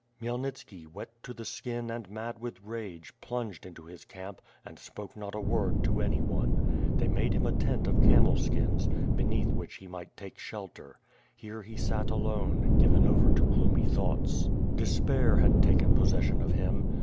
Khmyelnitski, wet to the skin and mad with ragej plunged into his camp, and spoke not a word to any one. They made him a tent of camel skins, beneath which he might take shel ter. Here he sat alone, given over to gloomy thoughts. Despair had taken possession of him.